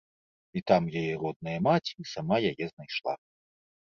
І там яе родная маці сама яе знайшла.